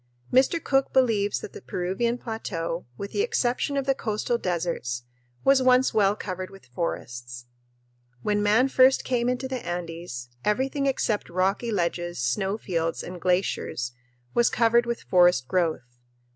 Mr. Cook believes that the Peruvian plateau, with the exception of the coastal deserts, was once well covered with forests. When man first came into the Andes, everything except rocky ledges, snow fields, and glaciers was covered with forest growth.